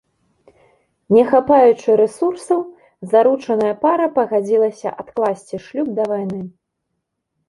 Не хапаючы рэсурсаў, заручаная пара пагадзілася адкласці шлюб да вайны.